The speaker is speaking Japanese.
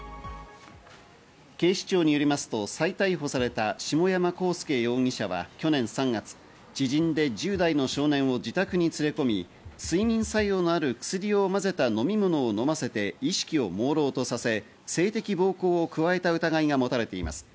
警視庁によりますと再逮捕された下山晃介容疑者は去年３月、知人で１０代の少年を自宅に連れ込み、睡眠作用のある薬をまぜた飲み物を飲ませて意識をもうろうとさせ、性的暴行を加えた疑いがもたれています。